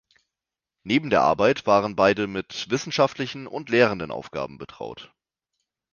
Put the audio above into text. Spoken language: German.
Neben der Arbeit waren beide mit wissenschaftlichen und lehrenden Aufgaben betraut.